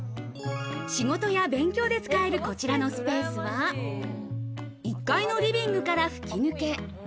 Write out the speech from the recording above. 仕事や勉強に使えるこちらのスペースは１階のリビングから吹き抜け。